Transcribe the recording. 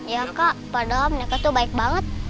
ya kak padahal mereka tuh baik banget